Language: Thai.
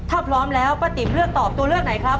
ถ้าพร้อมแล้วป้าติ๋มเลือกตอบตัวเลือกไหนครับ